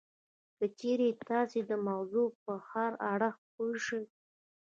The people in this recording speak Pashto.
که چېرې تاسې د موضوع په هر اړخ پوه شئ